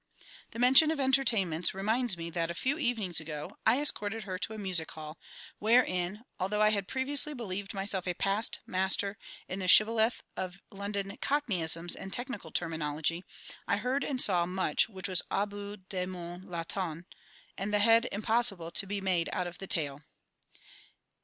The mention of entertainments reminds me that, a few evenings ago, I escorted her to a music hall, wherein, although I had previously believed myself a past master in the shibboleth of London Cockneyisms and technical terminology, I heard and saw much which was au bout de mon Latin, and the head impossible to be made out of the tail.